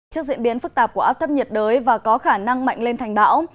trước diễn biến phức tạp của áp thấp nhiệt đới và có khả năng mạnh lên thành bão